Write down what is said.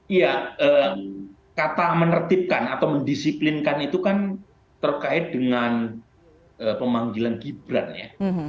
iya kata menertibkan atau mendisiplinkan itu kan terkait dengan pemanggilan gibran ya